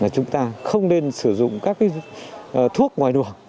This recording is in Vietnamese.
chúng ta không nên sử dụng các thuốc ngoài luồng